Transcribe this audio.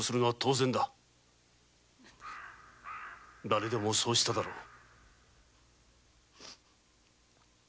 誰でもそうしただろう。